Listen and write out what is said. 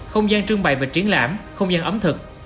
không gian trưng bày và triển lãm không gian ẩm thực